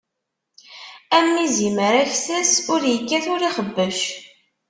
Am izimer aksas, ur ikkat ur ixebbec.